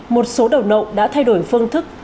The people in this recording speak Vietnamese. một số đầu nộng đã thay đổi phương thức